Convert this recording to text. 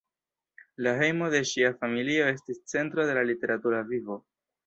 La hejmo de ŝia familio estis centro de la literatura vivo.